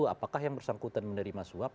apakah yang bersangkutan menerima suap